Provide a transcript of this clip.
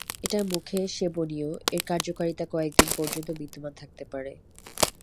এটা মুখে সেবনীয় এর কার্যকারিতা কয়েকদিন পর্যন্ত বিদ্যমান থাকতে পারে।